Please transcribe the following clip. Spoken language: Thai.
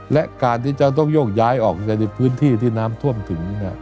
และการที่จะต้องโยกย้ายออกในพื้นที่ที่น้ำท่วมถึง